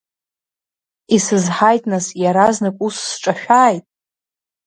Исызҳаит нас иаразнак ус сҿашәааит?